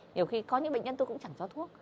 nhiều khi có những bệnh nhân tôi cũng chẳng có thuốc